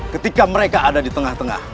ketika mereka ada di tengah tengah